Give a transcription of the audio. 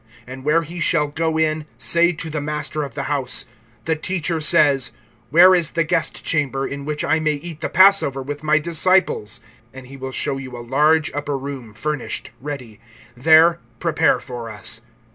(14)And where he shall go in, say to the master of the house: The Teacher says, Where is the guest chamber, in which I may eat the passover with my disciples? (15)And he will show you a large upper room furnished, ready; there prepare for us.